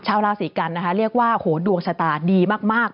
ชาวราศีกันนะคะเรียกว่าดวงชะตาดีมาก